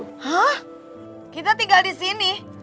hah kita tinggal di sini